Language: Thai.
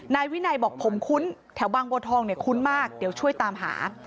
นายวินัยบอกผมคุ้นแถวบางบัวทองเนี่ยคุ้นมากเดี๋ยวช่วยตามหา